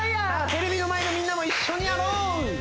テレビの前のみんなも一緒にやろう！